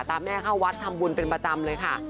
แม่เข้าวัดทำบุญเป็นประจำเลยค่ะ